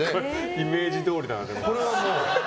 イメージどおりだな。